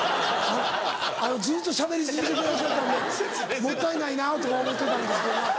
あのずっとしゃべり続けてらっしゃったんでもったいないなぁとは思ってたんですけど。